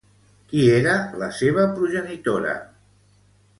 Qui era la seva progenitora?